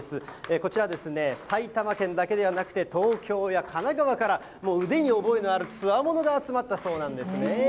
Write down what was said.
こちら、埼玉県だけではなくて、東京や神奈川から、もう腕に覚えのあるつわものが集まったそうなんですね。